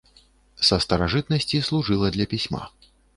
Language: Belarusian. Са старажытнасці служыла для пісьма.